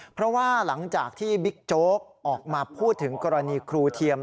เพราะว่าหลังจากที่บิ๊กโจ๊กออกมาพูดถึงกรณีครูเทียม